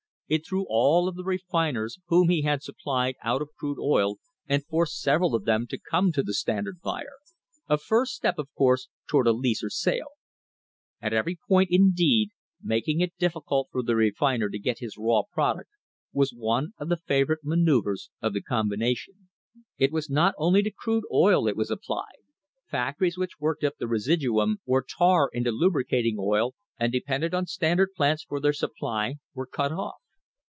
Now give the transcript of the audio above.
It threw all of the refiners whom he had supplied out of crude oil and forced several of them to come to the Standard buyer — a first step, of course, toward a lease or sale. At every point, indeed, making it difficult for the refiner to get his raw product was one of the favourite manoeuvres of the combination. It was not only to crude oil it was applied. Factories which worked up the residuum or tar into lubricating oil and depended on Standard plants for their supply were cut off.